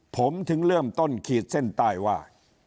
ผมถึงเริ่มต้นขีดเส้นใต้ว่า